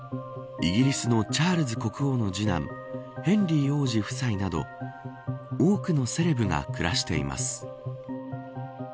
イギリスのチャールズ国王の次男ヘンリー王子夫妻など多くのセレブが暮らしています。